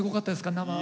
生は。